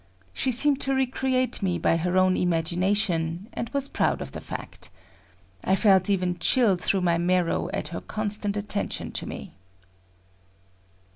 She seemed to recreate me by her own imagination, and was proud of the fact. I felt even chilled through my marrow at her constant attention to me.